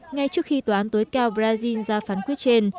ngay trước khi tòa án tối cao brazil ra phán quyết trên